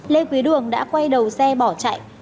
lê quý đường đã quay đầu xe bỏ chạy